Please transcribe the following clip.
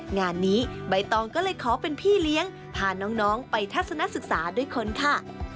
งานนี้ใบตองก็เลยขอเป็นพี่เลี้ยงพาน้องไปทัศนศึกษาด้วยคนค่ะ